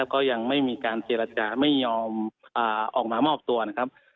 แล้วก็ยังไม่มีการเจรจาไม่ยอมออกมามอบตัวนะครับ